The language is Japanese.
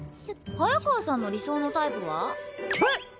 早川さんの理想のタイプは？えっ！？